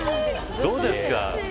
どうですか。